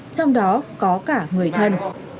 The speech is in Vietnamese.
trong đó có cả người thân